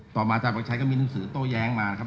ต่อมาอาจารย์วันชัยก็มีหนังสือโต้แย้งมานะครับ